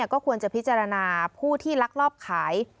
ก็ควรจะพิจารณาผู้ที่ลักลอบขาย